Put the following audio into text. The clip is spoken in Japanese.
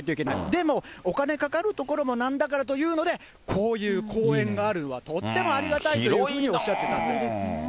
でも、お金かかる所もなんだからというので、こういう公園があるのはとってもありがたいというふうにおっしゃってたんです。